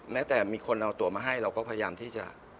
แม้แต่มีคนเอาตัวมาให้เราก็พยายามที่จะ